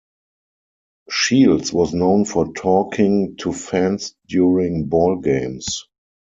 Shields was known for talking to fans during ball games.